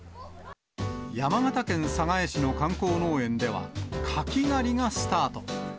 山形県寒河江市の観光農園では、柿狩りがスタート。